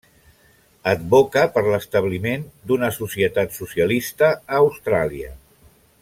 Advoca per l'establiment d'una societat socialista a Austràlia.